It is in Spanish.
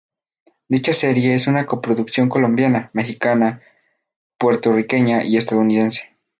Dicha serie es una coproducción colombiana, mexicana, puertorriqueña y estadounidense.